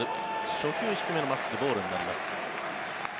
初球、低め真っすぐのボールになります。